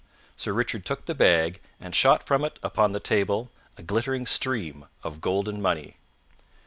Sir Richard took the bag and shot from it upon the table a glittering stream of golden money.